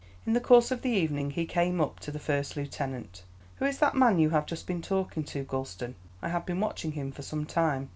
In the course of the evening he came up to the first lieutenant. "Who is that man you have just been talking to, Gulston? I have been watching him for some time.